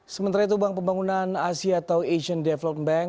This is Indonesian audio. sementara itu bank pembangunan asia atau asian development bank